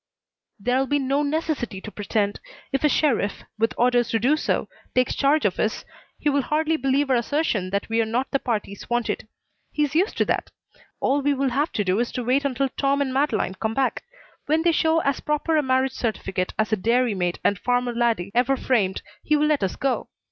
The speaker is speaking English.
"There'll be no necessity to pretend. If a sheriff, with orders to do so, takes charge of us he will hardly believe our assertion that we are not the parties wanted. He's used to that. All we will have to do is to wait until Tom and Madeleine come back. When they show as proper a marriage certificate as a dairy maid and farmer laddie ever framed he will let us go.